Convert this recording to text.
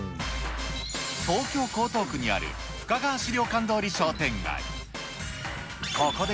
東京・江東区にある深川資料館通り商店街。